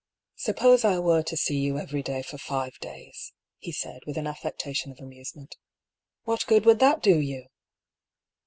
" Suppose I were to see you every day for five days," he said, with an affectation of amusement, " what good would that do you